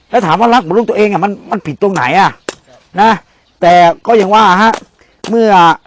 แล้วถามว่ารักมันลูกตัวเองมันผิดตรงไหนแต่ก็ยังว่าเมื่อ